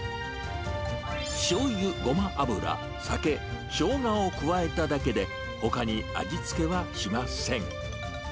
しょうゆ、ごま油、酒、ショウガを加えただけで、ほかに味付けはしません。